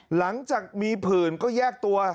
หลังจากมีผื่นก็แยกตัว